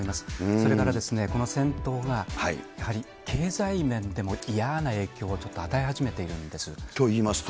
それから、この戦闘がやはり経済面でも嫌な影響をちょっと与え始めているんといいますと。